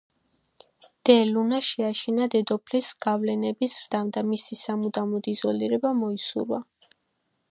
დე ლუნა შეაშინა დედოფლის გავლენების ზრდამ და მისი სამუდამოდ იზოლირება მოისურვა.